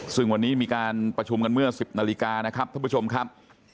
ซึ่งวันนี้มีการประชุมกันเมื่อ๑๐นาฬิกานะครับท่านผู้ชมครับ